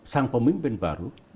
sang pemimpin baru